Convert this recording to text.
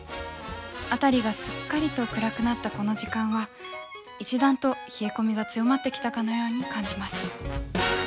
辺りがすっかりと暗くなったこの時間は一段と冷え込みが強まってきたかのように感じます。